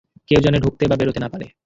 কেউ যেন ঢুকতে বা বেরোতে না পারে।